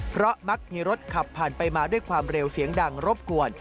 เพราะมักมีรถขับผ่านไปมาด้วยความเร็วเสียงดังรบกวน